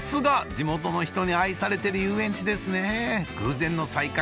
地元の人に愛されてる遊園地ですね偶然の再会